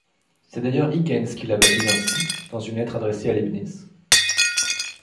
C’est d’ailleurs Huygens qui la baptise ainsi, dans une lettre adressée à Leibniz.